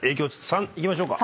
３いきましょうか。